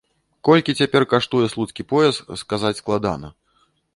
Колькі цяпер каштуе слуцкі пояс, сказаць складана.